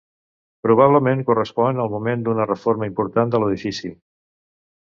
Probablement correspon al moment d'una reforma important de l'edifici.